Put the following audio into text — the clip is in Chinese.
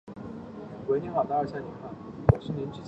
另香港警务处军装巡逻小队有时亦被称为巡警。